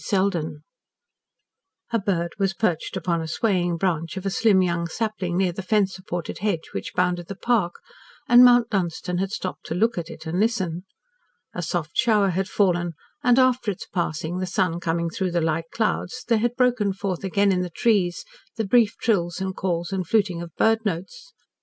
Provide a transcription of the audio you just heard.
SELDEN A bird was perched upon a swaying branch of a slim young sapling near the fence supported hedge which bounded the park, and Mount Dunstan had stopped to look at it and listen. A soft shower had fallen, and after its passing, the sun coming through the light clouds, there had broken forth again in the trees brief trills and calls and fluting of bird notes.